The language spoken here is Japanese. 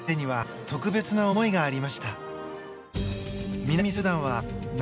彼には特別な思いがありました。